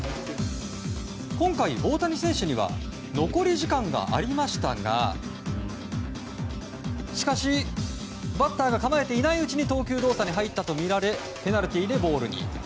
今回、大谷選手には残り時間がありましたがしかしバッターが構えていないうちに投球動作に入ったとみられペナルティーでボールに。